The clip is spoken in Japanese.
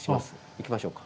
行きましょうか。